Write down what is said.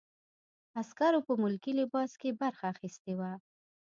عسکرو په ملکي لباس کې برخه اخیستې وه.